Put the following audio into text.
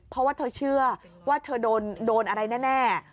เพราะว่าเธอเชื่อว่าเธอโดนอะไรแน่